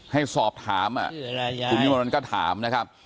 ให้สอบถามคุณวิมวลวันก็ถามนะครับ